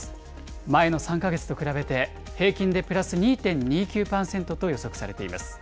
前の３か月と比べて平均でプラス２．２９％と予測されています。